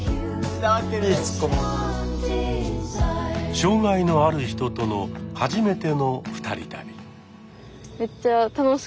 障害のある人との初めての二人旅。